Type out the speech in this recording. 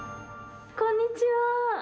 こんにちは。